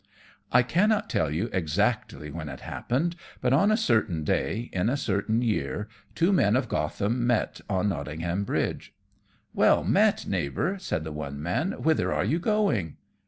I cannot tell you exactly when it happened, but on a certain day, in a certain year, two men of Gotham met on Nottingham bridge. "Well met, Neighbour," said the one man, "whither are you going?"